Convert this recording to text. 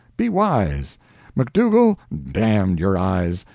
Be wise! Macdougall, d—n your eyes!